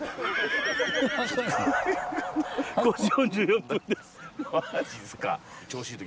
５時４４分です。